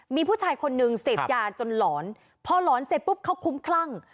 มีผู้ชายคนนึงเสพยาจนหลอนพอหลอนเสร็จปุ๊บเขาคุ้มคลั่ง